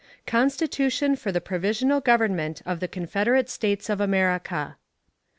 Constitution for the Provisional Government of the Confederate States of America.